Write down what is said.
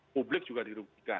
publik juga dirugikan